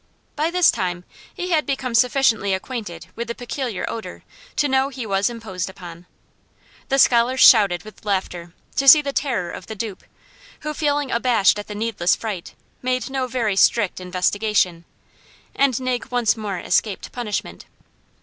By this time he had become sufficiently acquainted with the peculiar odor, to know he was imposed upon. The scholars shouted with laughter to see the terror of the dupe, who, feeling abashed at the needless fright, made no very strict investigation, and Nig once more escaped punishment.